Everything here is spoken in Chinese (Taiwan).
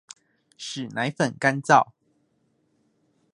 使奶粉乾燥